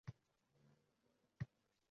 O‘zbek ilmi bayrog‘ini baland tutib